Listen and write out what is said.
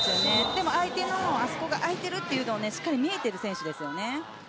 でも相手が空いているというのをしっかり見えている選手ですよね。